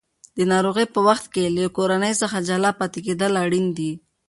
د ناروغۍ په وخت کې له کورنۍ څخه جلا پاتې کېدل اړین دي.